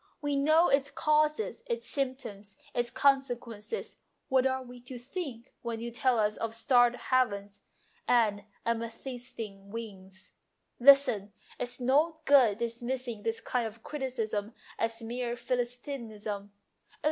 We know its causes, its symptoms, its consequences. What are we to think when A MONOLOGUE ON LOVE SONGS 273 you tell us of starred heavens and amethy stine wings? "" Listen ! It's no good dismissing this kind of criticism as mere philistinism.